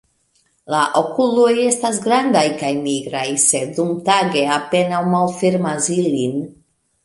La okuloj estas grandaj kaj nigraj, sed dumtage apenaŭ malfermas ilin.